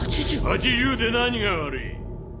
８０で何が悪い？